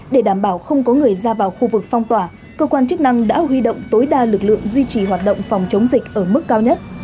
để đảm bảo không có người ra vào khu vực phong tỏa cơ quan chức năng đã huy động tối đa lực lượng duy trì hoạt động phòng chống dịch ở mức cao nhất